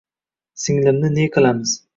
— Singlimni ne qilamiz?